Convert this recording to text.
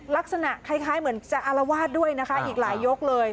ลักษณะคล้ายเหมือนจะอารวาสด้วยนะคะอีกหลายยกเลย